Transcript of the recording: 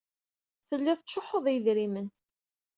Tellid tettcuḥḥud i yedrimen.